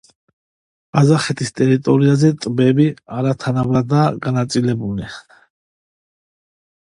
ყაზახეთის ტერიტორიაზე ტბები არათანაბრადაა განაწილებული.